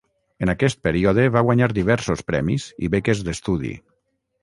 En aquest període va guanyar diversos premis i beques d'estudi.